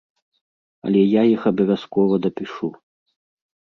Але я іх абавязкова дапішу.